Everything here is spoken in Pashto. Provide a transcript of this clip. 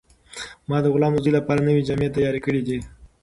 ما د غلام د زوی لپاره نوې جامې تیارې کړې دي.